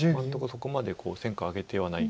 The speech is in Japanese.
そこまで戦果上げてはない。